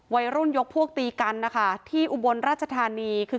วัยรุ่นยกพวกตีกันที่อุบวนราชฐานี